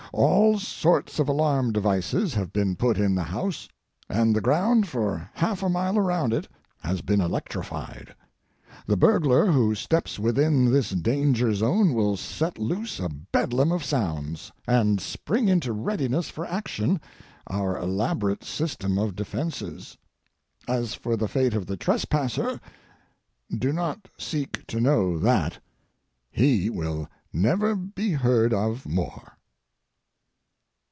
All sorts of alarm devices have been put in the house, and the ground for half a mile around it has been electrified. The burglar who steps within this danger zone will set loose a bedlam of sounds, and spring into readiness for action our elaborate system of defences. As for the fate of the trespasser, do not seek to know that. He will never be heard of more.